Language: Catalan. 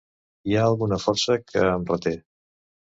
Hi ha alguna força que em reté.